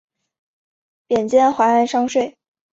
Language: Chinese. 贬监怀安商税。